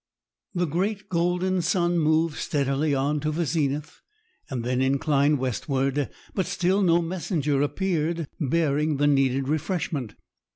The great golden sun moved steadily on to the zenith, and then inclined westward, but still no messenger appeared bearing the needed refreshment.